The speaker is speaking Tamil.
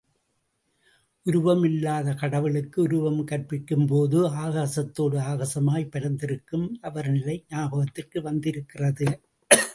உருவம் இல்லாத கடவுளுக்கு உருவம் கற்பிக்கும் போது, ஆகாசத்தோடு ஆகாசமாய்ப் பரந்திருக்கும் அவர் நிலை ஞாபகத்திற்கு வந்திருக்கிறது.